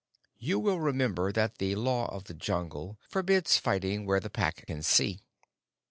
(You will remember that the Law of the Jungle forbids fighting where the Pack can see.)